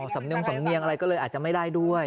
สำนงสำเนียงอะไรก็เลยอาจจะไม่ได้ด้วย